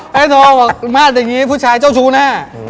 ไม่โทรบอกมาตอนนี้ฟุตชายเจ้าชู้หน้า